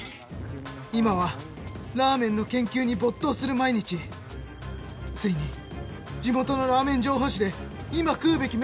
今はラーメンの研究に没頭する毎日ついに地元のラーメン情報誌で「いま食うべき！